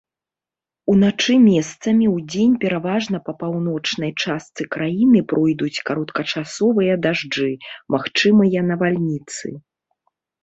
Уначы месцамі, удзень пераважна па паўночнай частцы краіны пройдуць кароткачасовыя дажджы, магчымыя навальніцы.